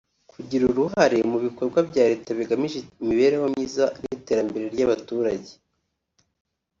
kugira uruhare mu bikorwa bya Leta bigamije imibereho myiza n’iterambere ry’abaturage